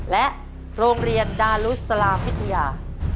และโรงเรียนดารุสลาวิทยา